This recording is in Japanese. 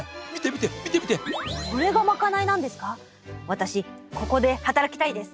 私ここで働きたいです。